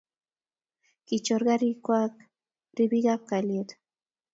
ki chor karik kwak ribiik ab kalyet